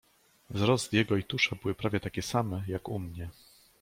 "Wzrost jego i tusza były prawie takie same, jak u mnie."